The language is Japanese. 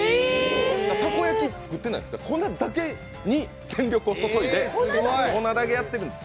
たこ焼きは作ってないんですが、たこ焼きに全力を注いで粉だけやってるんです。